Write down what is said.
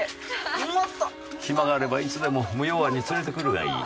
暇があればいつでも無用庵に連れてくるがいい。